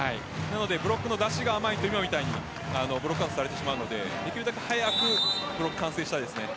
ブロックの出しが甘いと今みたいにブロックアウトされてしまうのでできるだけ早くブロック、完成したいですね。